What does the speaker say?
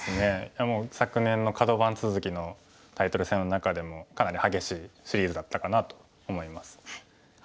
いやもう昨年のカド番続きのタイトル戦の中でもかなり激しいシリーズだったかなと思います。